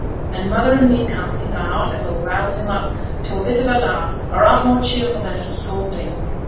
An' mother and me can't think on aught as 'll rouse him up to a bit of a laugh, or aught more cheerful than a scolding.